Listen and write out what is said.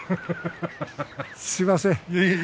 すみません。